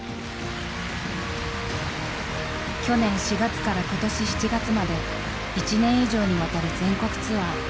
去年４月から今年７月まで１年以上にわたる全国ツアー。